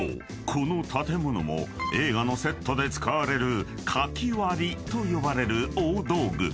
この建物も映画のセットで使われる書き割りと呼ばれる大道具］